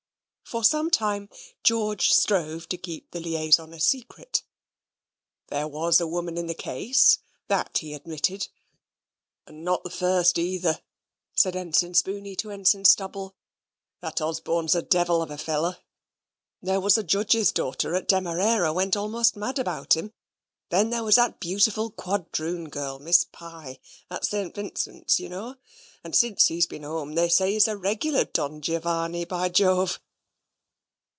For some time George strove to keep the liaison a secret. There was a woman in the case, that he admitted. "And not the first either," said Ensign Spooney to Ensign Stubble. "That Osborne's a devil of a fellow. There was a judge's daughter at Demerara went almost mad about him; then there was that beautiful quadroon girl, Miss Pye, at St. Vincent's, you know; and since he's been home, they say he's a regular Don Giovanni, by Jove."